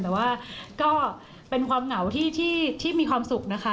แต่ว่าก็เป็นความเหงาที่มีความสุขนะคะ